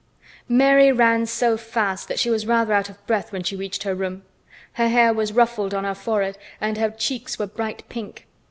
Mary ran so fast that she was rather out of breath when she reached her room. Her hair was ruffled on her forehead and her cheeks were bright pink.